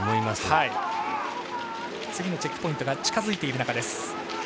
次のチェックポイントが近づいている中です。